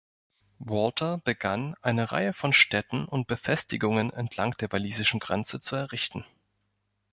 Walter begann, eine Reihe von Städten und Befestigungen entlang der walisischen Grenze zu errichten.